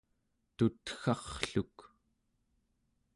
tutga'rrluk